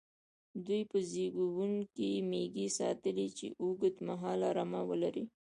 دوی به زېږوونکې مېږې ساتلې، چې اوږد مهاله رمه ولري.